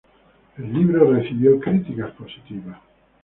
El libro recibió críticas positivas.